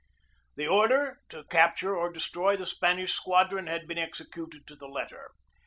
The order to capture or destroy the Spanish squadron had been executed to the letter.